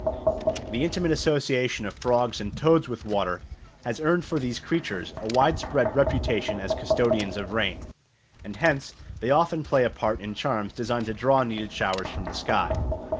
The intimate association of frogs and toads with water has earned for these creatures a widespread reputation as custodians of rain; and hence they often play a part in charms designed to draw needed showers from the sky.